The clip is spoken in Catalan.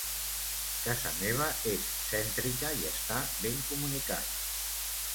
Casa meva és cèntrica i està ben comunicada.